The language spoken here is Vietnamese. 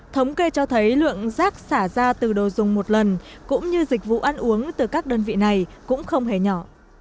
thống kê cho thấy lượng rác xả ra từ đồ dùng một lần cũng như dịch vụ ăn uống từ các đơn vị này cũng không hề nhỏ